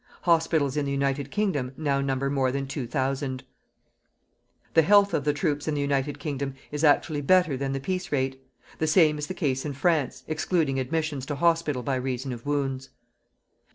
Hospitals in the United Kingdom now number more than 2,000. The health of the troops in the United Kingdom is actually better than the peace rate; the same is the case in France, excluding admissions to hospital by reason of wounds.